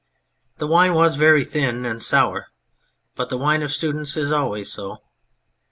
The wine was very thin and sour but the wine of students is always so.